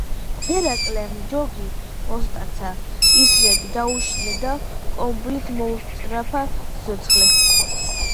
ჰერაკლემ ჯოგი მოსტაცა, ისრები დაუშინა და კომბლით მოუსწრაფა სიცოცხლე.